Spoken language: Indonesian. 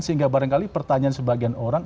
sehingga barangkali pertanyaan sebagian orang